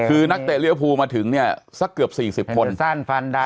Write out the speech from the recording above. คือนักเตะเรียวพูมาถึงเนี่ยสักเกือบสี่สิบคน